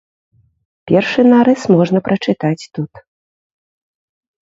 Першы нарыс можна прачытаць тут.